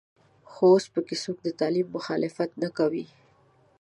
خو اوس په کې څوک د تعلیم مخالفت نه کوي.